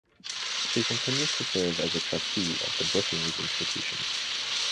She continues to serve as a trustee of the Brookings Institution.